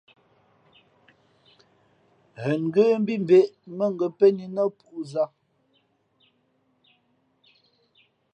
Ghen ngə́ mbí mbᾱʼ ē mά ngα̌ pén í nά pūʼ zǎ.